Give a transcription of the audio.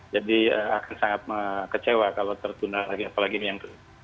jadi akan sangat kecewa kalau tertunda lagi apalagi yang